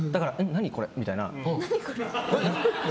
何これ？みたいな。